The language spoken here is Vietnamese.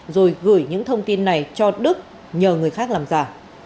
rồi gửi những thông tin này cho đức nhờ người khác làm giả